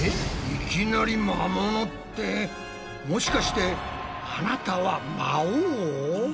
いきなり魔物ってもしかしてあなたは魔王？